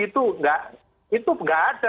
itu tidak ada